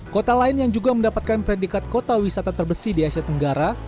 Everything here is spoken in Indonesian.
kota lain yang juga mendapatkan predikat kota wisata terbersih di asia tenggara